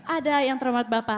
ada yang terhormat bapak